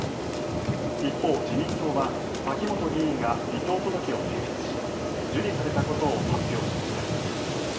一方、自民党は秋本議員が離党届を提出し受理されたことを発表しました。